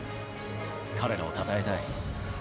彼らをたたえたい。